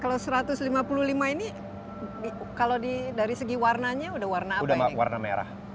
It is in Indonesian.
kalau dari segi warnanya sudah warna apa ini